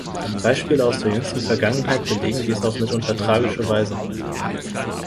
Beispiele aus der jüngsten Vergangenheit belegen dies auf mitunter tragische Weise.